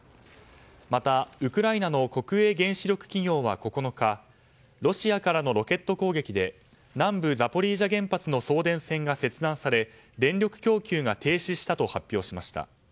また、ウクライナの国営原子力企業は９日ロシアからのロケット攻撃で南部ザポリージャ原発の送電線が切断され電力供給が停止したと発表しました。